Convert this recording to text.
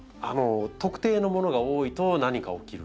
特定のものが多いと何か起きる。